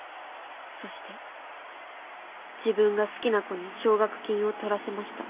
そして自分が好きな子に奨学金を獲らせました。